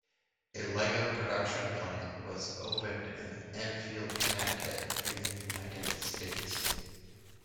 A Lego production plant was opened in Enfield, Connecticut in the United States.